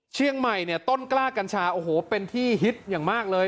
เชียงใหม่เนี่ยต้นกล้ากัญชาโอ้โหเป็นที่ฮิตอย่างมากเลย